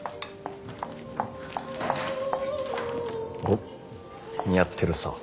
おっ似合ってるさぁ。